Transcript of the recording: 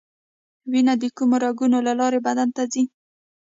وینه د کومو رګونو له لارې بدن ته ځي